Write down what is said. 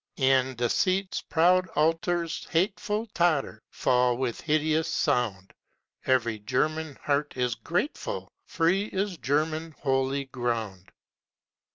And deceit's proud altars hateful Totter, fall with hideous sound; Every German heart is grateful, Free is German holy ground.